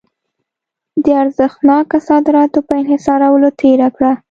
د ارزښتناکه صادراتو په انحصارولو تېره کړه.